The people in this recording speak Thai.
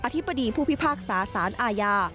ธิบดีผู้พิพากษาสารอาญา